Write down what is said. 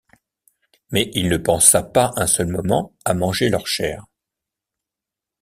mais il ne pensa pas un seul moment à manger leur chair.